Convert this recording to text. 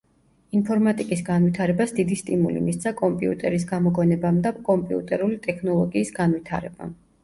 ინფორმატიკის განვითარებას დიდი სტიმული მისცა კომპიუტერის გამოგონებამ და კომპიუტერული ტექნოლოგიის განვითარებამ.